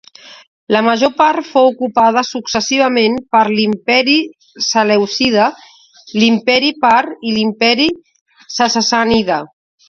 La major part fou ocupada successivament per l'Imperi selèucida, l'Imperi part i l'Imperi sassànida.